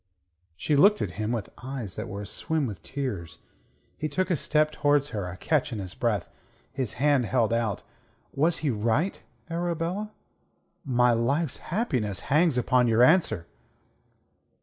She looked at him with eyes that were aswim with tears. He took a step towards her, a catch in his breath, his hand held out. "Was he right, Arabella? My life's happiness hangs upon your answer."